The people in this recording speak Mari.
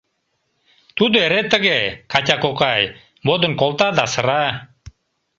— Тудо эре тыге, Катя кокай... модын колта да сыра.